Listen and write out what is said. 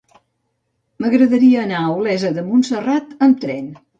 M'agradaria anar a Olesa de Montserrat amb tren.